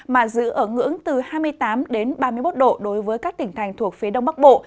mà giữ ở ngưỡng từ hai mươi tám ba mươi một độ đối với các tỉnh thành thuộc phía đông bắc bộ